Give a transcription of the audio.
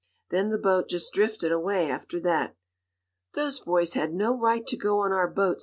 Then the boat just drifted away after that." "Those boys had no right to go on our boat!"